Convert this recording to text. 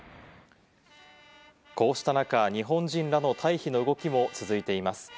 こうした中、日本人らの退避の動きも続いています。